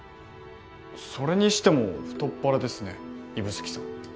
それにしても太っ腹ですね指宿さん。